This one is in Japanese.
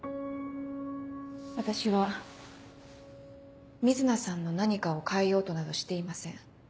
私は瑞奈さんの何かを変えようとなどしていません。